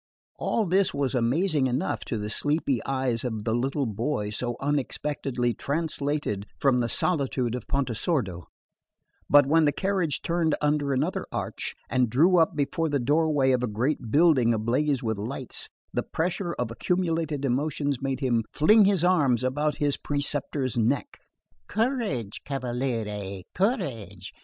All this was amazing enough to the sleepy eyes of the little boy so unexpectedly translated from the solitude of Pontesordo; but when the carriage turned under another arch and drew up before the doorway of a great building ablaze with lights, the pressure of accumulated emotions made him fling his arms about his preceptor's neck. "Courage, cavaliere, courage!